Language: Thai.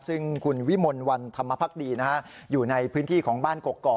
ซึ่งคุณวิมลวันธรรมภักดีอยู่ในพื้นที่ของบ้านกกอก